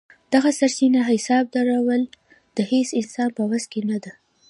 دغه سرچپه حساب درول د هېڅ انسان په وس کې نه ده.